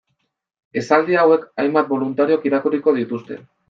Esaldi hauek hainbat boluntariok irakurriko dituzte.